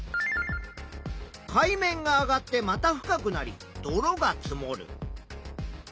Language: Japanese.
海面が上がってまた深くなり泥が積もる。